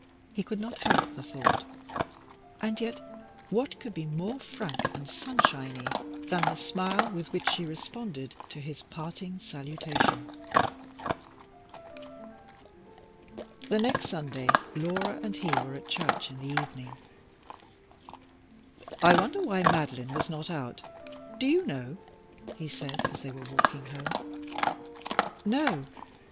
he could not help the thought, and yet what could be more frank and sunshiny than the smile with which she responded to his parting salutation? The next Sunday Laura and he were at church in the evening. "I wonder why Madeline was not out. Do you know?" he said as they were walking home. "No."